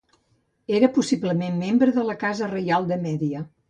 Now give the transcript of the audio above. Era possiblement membre de la casa reial de Mèdia.